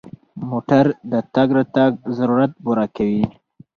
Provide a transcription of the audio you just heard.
موټر د تګ راتګ ضرورت پوره کوي.